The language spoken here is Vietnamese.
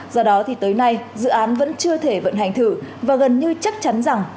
do đó thì tới nay dự án vẫn chưa thể vận hành thử và gần như chắc chắn rằng